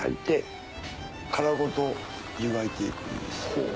ほう。